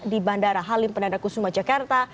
di bandara halim perdana kusuma jakarta